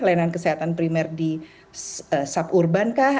layanan kesehatan primer di suburban kah